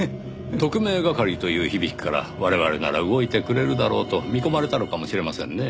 特命係という響きから我々なら動いてくれるだろうと見込まれたのかもしれませんねぇ。